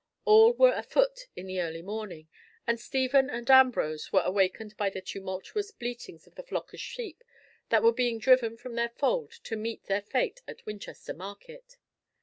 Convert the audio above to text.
All were afoot in the early morning, and Stephen and Ambrose were awakened by the tumultuous bleatings of the flock of sheep that were being driven from their fold to meet their fate at Winchester market.